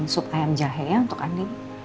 sup ayam jahe ya untuk anda